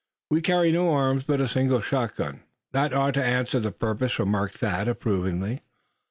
We carry no arms but a single shotgun." "That ought to answer the purpose," remarked Thad, approvingly.